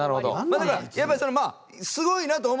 だからやっぱりそのすごいなと思うんですよ。